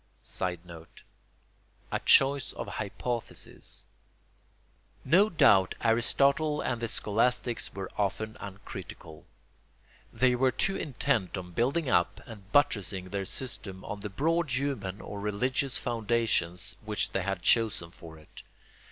[Sidenote: A choice of hypotheses.] No doubt Aristotle and the scholastics were often uncritical. They were too intent on building up and buttressing their system on the broad human or religious foundations which they had chosen for it.